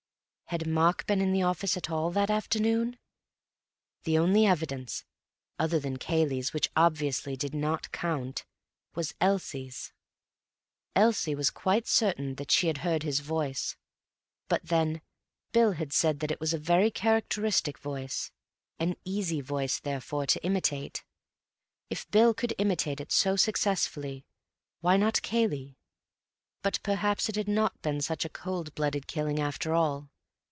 Had Mark been in the office at all that afternoon? The only evidence (other than Cayley's, which obviously did not count) was Elsie's. Elsie was quite certain that she had heard his voice. But then Bill had said that it was a very characteristic voice—an easy voice, therefore, to imitate. If Bill could imitate it so successfully, why not Cayley? But perhaps it had not been such a cold blooded killing, after all.